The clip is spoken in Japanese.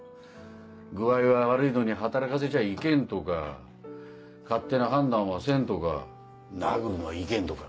「具合が悪いのに働かせちゃいけん」とか「勝手な判断はせん」とか「殴るのはいけん」とか。